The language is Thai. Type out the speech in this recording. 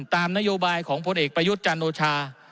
ตามนโยบายคนเองประยุทธ์จรรโนชา